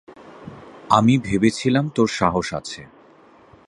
আমি ভেবেছিলাম তোর সাহস আছে।